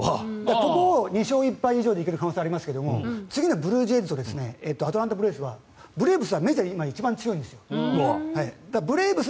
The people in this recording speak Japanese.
ここを２勝１敗以上でいける可能性がありますが次のブルージェイズとアトランタ・ブレーブスはブレーブスはメジャーで今、一番強いんです。